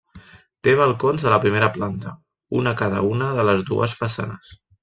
Té balcons a la primera planta, un a cada una de les dues façanes.